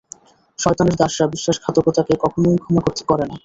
শয়তানের দাসরা বিশ্বাসঘাতকতাকে কখনই ক্ষমা করে না।